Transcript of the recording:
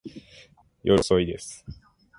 夜遅いです。